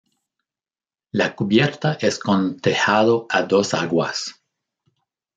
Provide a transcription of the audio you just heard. La cubierta es con tejado a dos aguas.